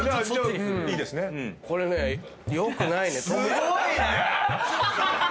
すごいね！